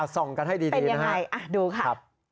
ส่องกันให้ดีนะครับเป็นยังไงดูค่ะ